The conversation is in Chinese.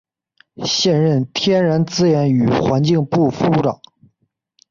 现任天然资源与环境部副部长。